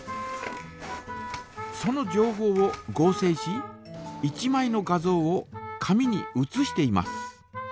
そのじょうほうを合成し１まいの画像を紙に写しています。